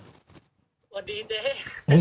สวัสดีเต้